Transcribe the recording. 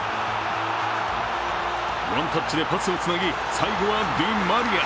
ワンタッチでパスをつなぎ最後はディ・マリア！